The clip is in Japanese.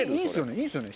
いいんですよね？